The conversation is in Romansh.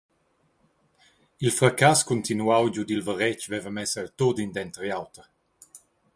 Il fraccass cuntinuau giu dil Varetg veva mess el tut indentergliauter.